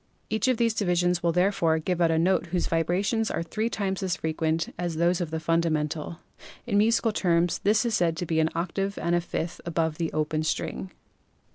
Each of these divisions will therefore give out a note whose vibrations are three times as frequent as those of the fundamental ; in musical terms this note is said to be an octave and a fifth above the open string.